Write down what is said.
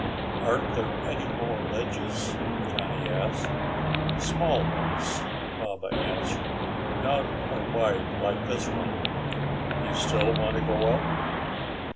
"Aren't there any more ledges?" Johnny asked. "Small ones," Baba answered. "None are wide like this one. Do you still want to go up?"